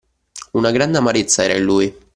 Una grande amarezza era in lui!